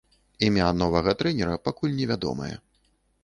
Імя новага трэнера пакуль невядомае.